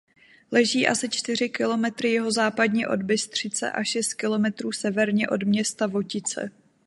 Leží asi čtyři kilometry jihozápadně od Bystřice a šest kilometrů severně od města Votice.